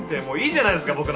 もういいじゃないですか。